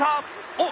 おっ！